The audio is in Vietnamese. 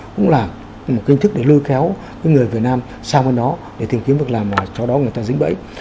cũng là một cái kinh thức để lôi khéo cái người việt nam sang bên đó để tìm kiếm việc làm và cho đó người ta dính bẫy